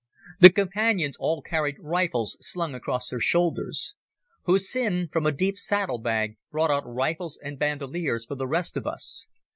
The Companions all carried rifles slung across their shoulders. Hussin, from a deep saddle bag, brought out rifles and bandoliers for the rest of us.